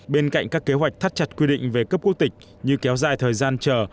bên cạnh các kế hoạch thắt chặt quy định về cấp quốc tịch như kéo dài thời gian chờ